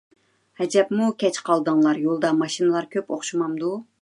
ھەجەپمۇ كەچ قالدىڭلار، يولدا ماشىنىلار كۆپ ئوخشىمامدۇ ؟